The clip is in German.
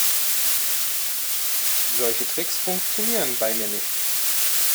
Solche Tricks funktionieren bei mir nicht.